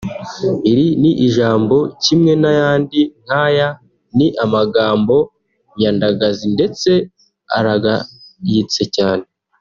Iri ni jambo kimwe n’ayandi nk’aya ni amagambo nyandagazi ndetse aragayitse cyane